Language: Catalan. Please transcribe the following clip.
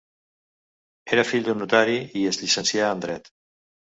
Era fill d'un notari i es llicencià en dret.